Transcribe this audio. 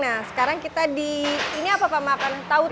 nah sekarang kita di ini apa pak tautos